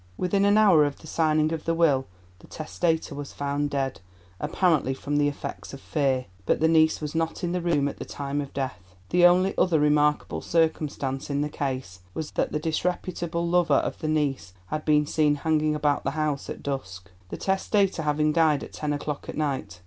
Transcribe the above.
Within an hour of the signing of the will the testator was found dead, apparently from the effects of fear, but the niece was not in the room at the time of death. The only other remarkable circumstance in the case was that the disreputable lover of the niece had been seen hanging about the house at dusk, the testator having died at ten o'clock at night.